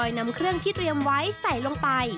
นำเครื่องที่เตรียมไว้ใส่ลงไป